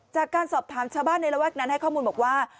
จากการสอบถามชาวบ้านในระแวกนั้นให้ข้อมูลบอกว่า